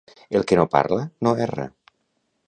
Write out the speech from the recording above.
El que no parla, no erra.